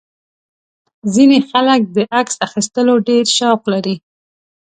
ځینې خلک د عکس اخیستلو ډېر شوق لري.